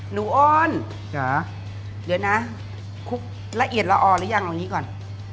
หนูอ้อนเดี๋ยวนะละเอียดละอ่อนหรือยังตรงนี้ก่อน